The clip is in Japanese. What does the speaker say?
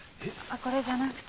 これじゃなくて。